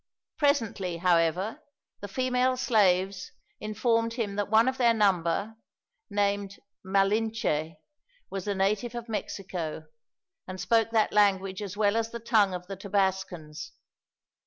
Presently, however, the female slaves informed him that one of their number, named Malinche, was a native of Mexico, and spoke that language as well as the tongue of the Tabascans.